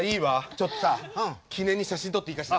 ちょっとさ記念に写真撮っていいかしら？